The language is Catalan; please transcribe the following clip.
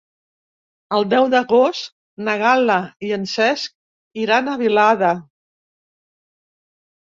El deu d'agost na Gal·la i en Cesc iran a Vilada.